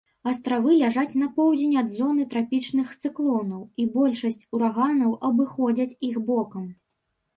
Астравы ляжаць на поўдзень ад зоны трапічных цыклонаў, і большасць ураганаў абыходзяць іх бокам.